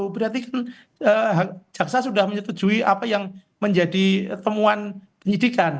berarti kan jaksa sudah menyetujui apa yang menjadi temuan penyidikan